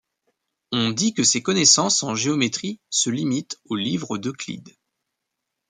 On dit que ses connaissances en géométrie se limitent aux livres d'Euclide.